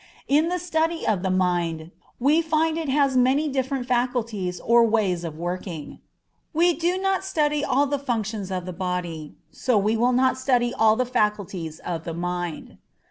In the study of the mind, we find it has many different faculties or ways of working. We did not study all the functions of the body, so we will not study all the faculties of the mind.